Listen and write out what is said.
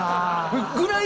ぐらい